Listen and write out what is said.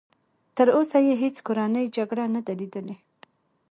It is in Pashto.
تر اوسه یې هېڅ کورنۍ جګړه نه ده لیدلې.